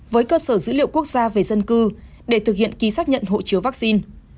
với cơ sở dữ liệu quốc gia về dân cư để thực hiện ký xác nhận hộ chiếu vaccine